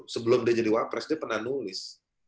sebelum dia jadi wapres dia pernah nulis